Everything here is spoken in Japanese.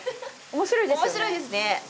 面白いですね。